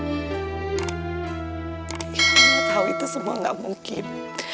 mama tau itu semua gak mungkin